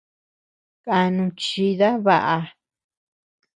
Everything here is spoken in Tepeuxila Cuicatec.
Kanu chida baʼa.